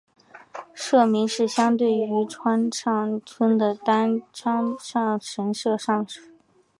社名是相对于川上村的丹生川上神社上社。